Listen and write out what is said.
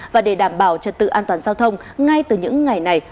và để đảm bảo trật tự an toàn giao thông ngay từ những ngày này